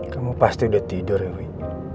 kamu pasti udah tidur ya wih